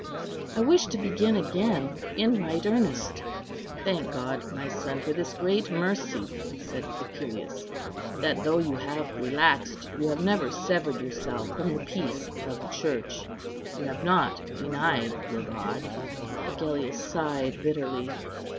I wish to begin again in right earnest." "Thank God, my son, for this great mercy," said Cæcilius, "that, though you have relaxed, you have never severed yourself from the peace of the Church, you have not denied your God." Agellius sighed bitterly.